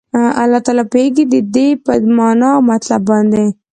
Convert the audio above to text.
الله تعالی پوهيږي ددي په معنا او مطلب باندي